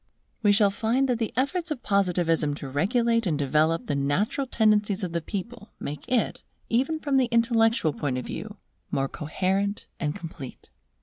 We shall find that the efforts of Positivism to regulate and develop the natural tendencies of the people, make it, even from the intellectual point of view, more coherent and complete.